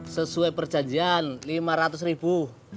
sesuai perjanjian lima ratus ribu